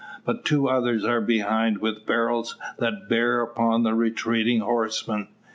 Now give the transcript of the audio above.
But two others are behind, with barrels that bear upon the retreating horseman.